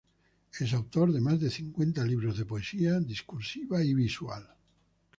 Es autor de más de cincuenta libros de poesía discursiva y visual.